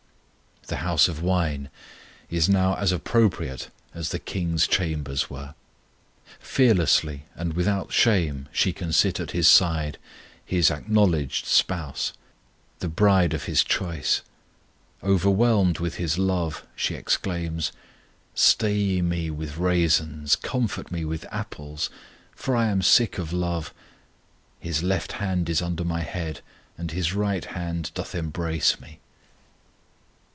The house of wine is now as appropriate as the King's chambers were. Fearlessly and without shame she can sit at His side, His acknowledged spouse, the bride of His choice. Overwhelmed with His love she exclaims: Stay ye me with raisins, comfort me with apples: For I am sick of love. His left hand is under my head, And His right hand doth embrace me.